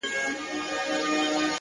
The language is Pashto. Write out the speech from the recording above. زه د جنتونو و اروا ته مخامخ يمه”